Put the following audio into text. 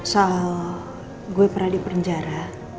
soal gue pernah di penjara